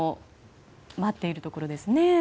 待っているところですね。